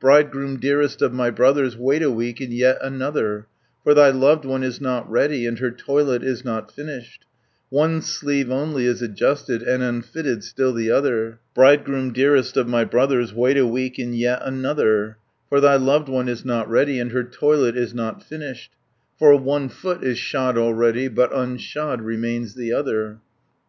"Bridegroom, dearest of my brothers, Wait a week, and yet another, For thy loved one is not ready, And her toilet is not finished; 30 One sleeve only is adjusted, And unfitted still the other. "Bridegroom, dearest of my brothers, Wait a week, and yet another, For thy loved one is not ready, And her toilet is not finished. For one foot is shod already, But unshod remains the other.